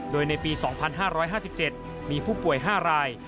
โดยในปี๒๕๕๗มีผู้ป่วย๕ราย